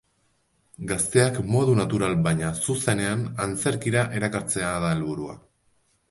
Gazteak modu natural baina zuzenean antzerkira erakartzea da helburua.